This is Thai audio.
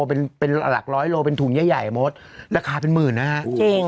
เป็นเป็นหลักร้อยโลเป็นถุงใหญ่หมดราคาเป็นหมื่นนะฮะจริง